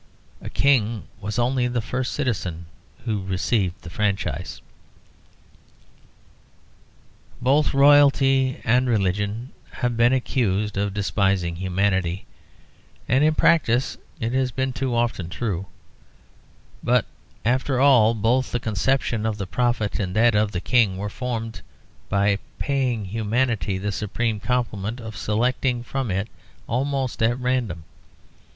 A king was only the first citizen who received the franchise. Both royalty and religion have been accused of despising humanity, and in practice it has been too often true; but after all both the conception of the prophet and that of the king were formed by paying humanity the supreme compliment of selecting from it almost at random.